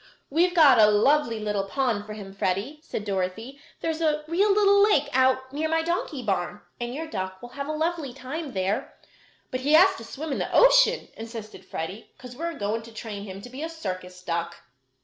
"We've got a lovely little pond for him, Freddie," said Dorothy. "There is a real little lake out near my donkey barn, and your duck will have a lovely time there." "But he has to swim in the ocean," insisted Freddie, "'cause we're going to train him to be a circus duck."